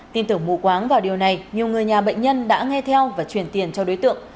tin tưởng mù quáng vào điều này nhiều người nhà bệnh nhân đã nghe theo và truyền tiền cho đối tượng